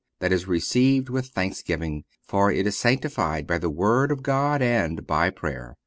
that is received with thanksgiving, for it is sanctified by the word of God and by prayer."